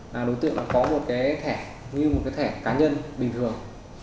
là đối tượng đã có một cái thẻ như một cái thẻ cá nhân bình thường